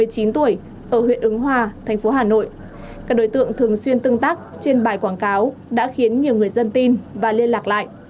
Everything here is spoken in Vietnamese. các đối tượng thường xuyên tương tác trên bài quảng cáo đã khiến nhiều người dân tin và liên lạc lại